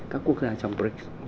các quốc gia trong brexit